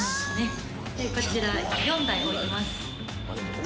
こちら４台置いてます。